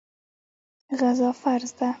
غزا فرض ده.